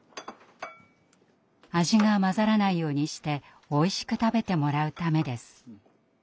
味が混ざらないようにしておいしく食べてもらうためです。